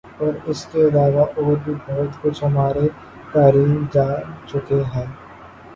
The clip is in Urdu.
اور اس کے علاوہ اور بھی بہت کچھ ہمارے قارئین جان چکے ہیں ۔